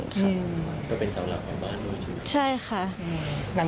เขาเป็นเจากลัวของบ้านบ้าง